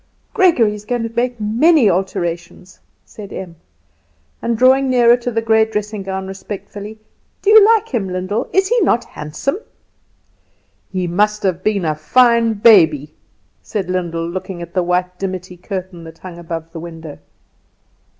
"Gregory is going to make many alterations," said Em; and drawing nearer to the grey dressing gown respectfully. "Do you like him, Lyndall? Is he not handsome?" "He must have been a fine baby," said Lyndall, looking at the white dimity curtain that hung above the window.